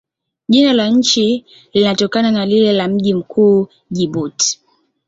Jina la nchi linatokana na lile la mji mkuu, Jibuti.